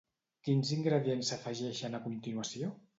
Quins ingredients s'afegeixen a continuació?